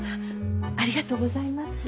ありがとうございます。